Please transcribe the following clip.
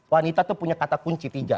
wanita itu punya kata kunci tiga